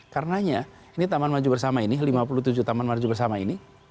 karena taman maju bersama ini lima puluh tujuh taman maju bersama ini